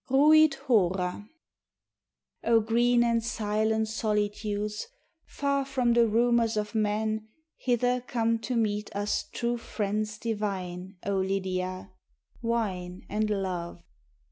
RUIT HORA O green and silent solitudes, far from the rumors of men Hither come to meet us true friends divine, O Lidia, Wine and love.